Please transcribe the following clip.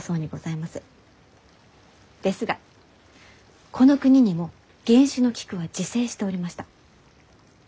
ですがこの国にも原種の菊は自生しておりました。